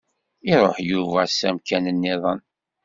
Iruḥ Yuba s amkan-nniḍen.